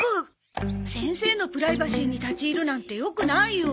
先生のプライバシーに立ち入るなんて良くないよ。